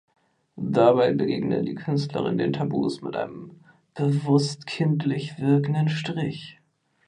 Dabei begegne die Künstlerin den Tabus mit einem „bewusst kindlich wirkenden Strich“.